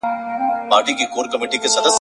ځو به چي د شمعي پر لار تلل زده کړو ,